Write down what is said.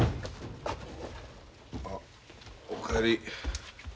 あお帰り。